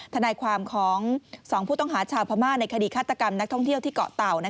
ทนายความของ๒ผู้ต้องหาชาวพม่าในคดีฆาตกรรมนักท่องเที่ยวที่เกาะเต่า